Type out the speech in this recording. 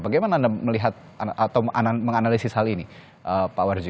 bagaimana anda melihat atau menganalisis hal ini pak warji